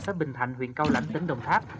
xã bình thạnh huyện cao lạnh tỉnh đồng tháp